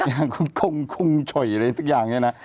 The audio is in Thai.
ทางคุณคงช่อยอะไรทุกอย่างเนี่ยนะ